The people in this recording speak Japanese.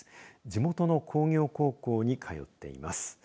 地元の工業高校に通っています。